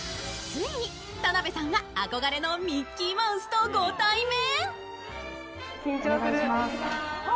ついに田辺さんが憧れのミッキーマウスとご対面。